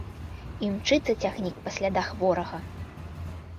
Імчыцца цягнік па слядах ворага.